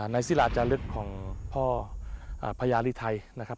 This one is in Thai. ศิลาจารึกของพ่อพญารีไทยนะครับ